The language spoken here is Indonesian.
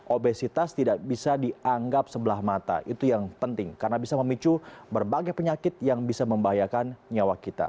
obesitas tidak bisa dianggap sebelah mata itu yang penting karena bisa memicu berbagai penyakit yang bisa membahayakan nyawa kita